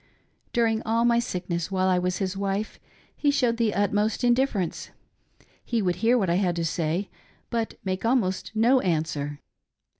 During all my sickness, while I was his wife, he showed the utmost indifference. He would hear what I had to say, but make almost no answer.